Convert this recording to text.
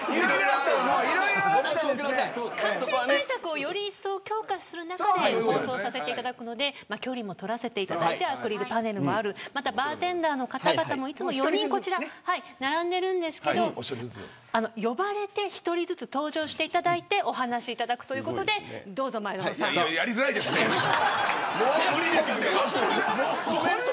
感染対策を、より一層強化する中で放送させていただくので距離も取らせていただいてアクリルパネルもあるまた、バーテンダーの方々もいつも、４人並んでるんですけど呼ばれて１人ずつ登場していただいてお話いただくということでどうぞ、前園さん。